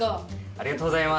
ありがとうございます。